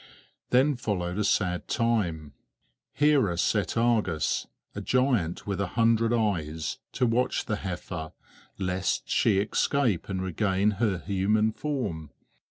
Then followed a sad time. Hera set Argus, a giant with a hundred eyes, to watch the heifer, lest she escape and regain her human form.